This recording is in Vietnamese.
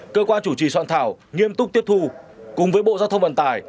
cơ quan chủ trì soạn thảo nghiêm túc tiếp thu cùng với bộ giao thông vận tải